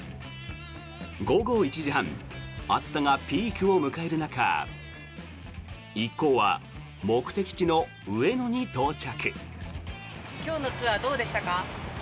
午後１時半暑さがピークを迎える中一行は目的地の上野に到着。